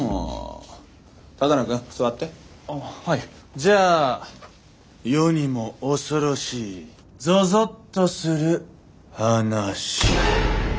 じゃあ世にも恐ろしいゾゾッとする話。